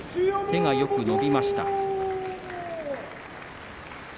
手がよく伸びました。